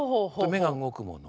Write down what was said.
目が動くもの。